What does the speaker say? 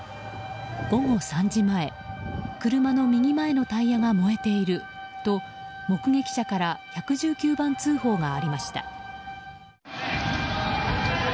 午後３時前車の右前のタイヤが燃えていると目撃者から１１９番通報がありました。